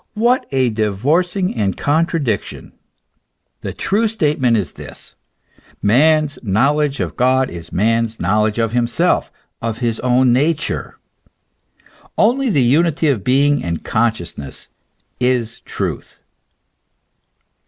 What a divorcing and contradiction ! The true statement is this : man's knowledge of God is man's knowledge of himself, of his own nature. Only the unity of being and consciousness is truth.